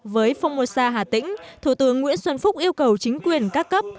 với phong mô sa hà tĩnh thủ tướng nguyễn xuân phúc yêu cầu chính quyền các cấp